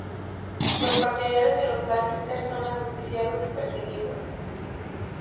Los partidarios de los Lancaster son ajusticiados y perseguidos.